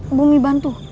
ibu minta bantu